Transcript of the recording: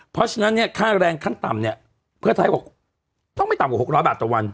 เพราะฉะนั้นค่าแรงขั้นต่ำพรุ่งไทยต้องไม่ต่ำกว่า๖๐๐บาทต่อวัน